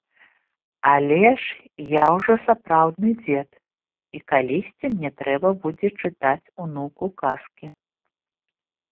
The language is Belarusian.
Але ж я ўжо сапраўдны дзед, і калісьці мне трэба будзе чытаць унуку казкі.